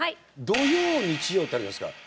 土曜日曜ってあるじゃないですか。